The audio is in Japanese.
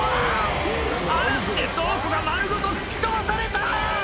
嵐で倉庫が丸ごと吹き飛ばされた！